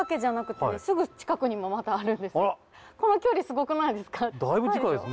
この距離すごくないですか？